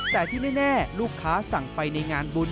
แต่ที่แน่ลูกค้าสั่งไปในงานบุญ